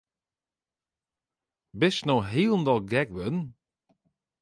Bist no hielendal gek wurden?